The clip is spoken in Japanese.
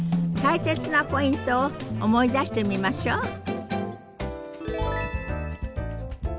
大切なポイントを思い出してみましょう。